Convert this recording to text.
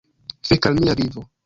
Fek al mia vivo!